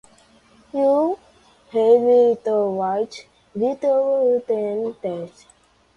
You’ll have to write better than that.